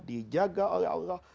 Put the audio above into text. dijaga oleh allah